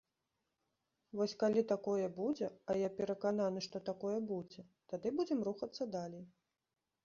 Вось калі такое будзе, а я перакананы, што такое будзе, тады будзем рухацца далей.